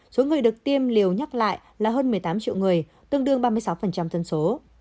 số người được tiêm liều nhắc lại là hơn một mươi tám triệu người tương đương ba mươi sáu dân số